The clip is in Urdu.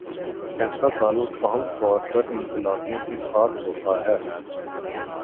ایسا تعلق عام طور پر انقلابیوں کے ساتھ ہوتا ہے۔